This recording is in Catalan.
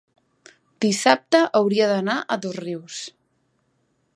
dissabte hauria d'anar a Dosrius.